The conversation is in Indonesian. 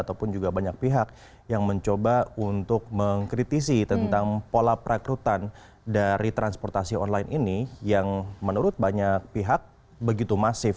dan juga banyak pihak yang mencoba untuk mengkritisi tentang pola perekrutan dari transportasi online ini yang menurut banyak pihak begitu masif